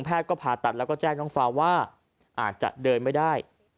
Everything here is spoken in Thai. ผ่าตัดแล้วก็แจ้งน้องฟ้าว่าอาจจะเดินไม่ได้